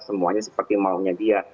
semuanya seperti maunya dia